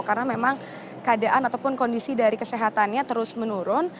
karena memang keadaan ataupun kondisi dari kesehatannya terus menurun